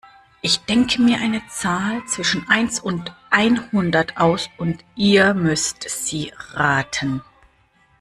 Ich denke mir eine Zahl zwischen eins und einhundert aus und ihr müsst sie raten.